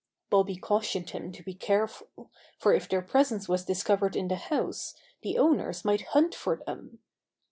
Bobby cautioned him to be careful, for if their presence was discovered in the house the owners might hunt for them.